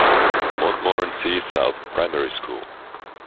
Montmorency South Primary School.